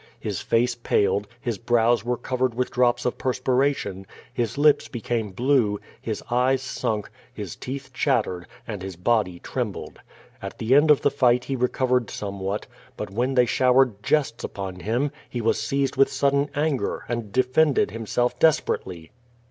His face paled, his brows were covered with drops of perspiration, his lips became blue, his eyes sunk, his teeth chattered, and his body trembled. At the end of the fight he recovered some what, but when they showered jests upon him, he was seized with sudden anger, and defended himself desperately.